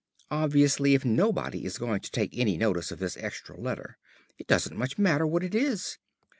Obviously, if nobody is going to take any notice of this extra letter, it doesn't much matter what it is.